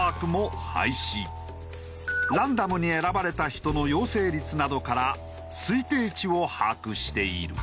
ランダムに選ばれた人の陽性率などから推定値を把握している。